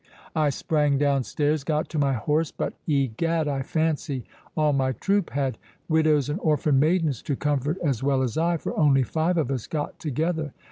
I sprang down stairs, got to my horse,—but, egad, I fancy all my troop had widows and orphan maidens to comfort as well as I, for only five of us got together.